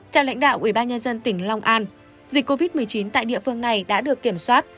theo lãnh đạo ubnd tỉnh long an dịch covid một mươi chín tại địa phương này đã được kiểm soát